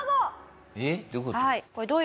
えっどういう事？